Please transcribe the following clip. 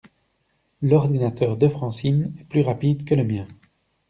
L'ordinateur de Francine est plus rapide que le mien.